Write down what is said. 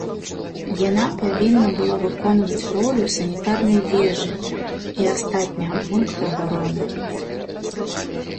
Яна павінна была выконваць ролю санітарнай вежы і астатняга пункта абароны.